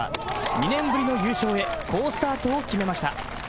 ２年ぶりの優勝へ、好スタートを決めました。